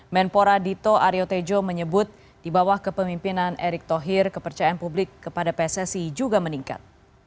menpora dito aryo tejo menyebut di bawah kepemimpinan erick thohir kepercayaan publik kepada pssi juga meningkat